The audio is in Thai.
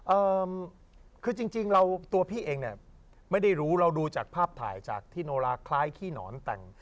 เอ่อคือจริงจริงเราตัวพี่เองเนี่ยไม่ได้รู้เราดูจากภาพถ่ายจากที่โนลาคล้ายขี้หนอนแต่ง